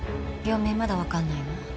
病名まだわかんないの？